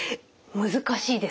難しいです。